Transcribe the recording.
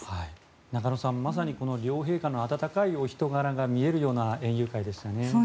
中野さん、まさにこの両陛下の温かいお人柄が見えるような園遊会でしたよね。